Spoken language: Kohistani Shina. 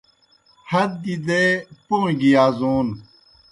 ہت گیْ دے پوں گیْ یازون